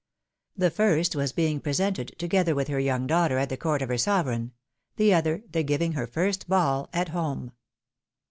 The first was being presented, together with her young daughter, at the court of her sovereign ; the other, the giving her first ball at home.